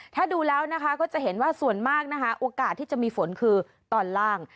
ถ้าดูแล้วนะคะก็จะเห็นว่าส่วนมากนะคะโอกาสที่จะมีฝนคือตอนล่าง